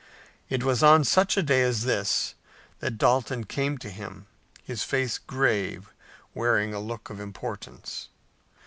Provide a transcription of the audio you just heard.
It was on such a day as this that Dalton came to him, his grave face wearing a look of importance.